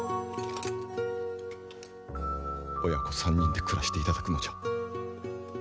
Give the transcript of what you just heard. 親子３人で暮らしていただくのじゃ。